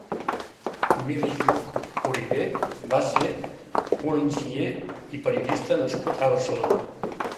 Emili Lluch Oribe va ser un enginyer i periodista nascut a Barcelona.